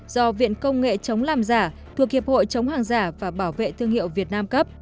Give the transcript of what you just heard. do viện công nghệ chống làm giả thuộc hiệp hội chống hàng giả và bảo vệ thương hiệu việt nam cấp